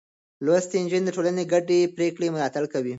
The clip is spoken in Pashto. لوستې نجونې د ټولنې ګډې پرېکړې ملاتړ کوي.